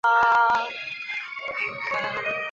这与地球上的最古老的石头和月岩的结果一致。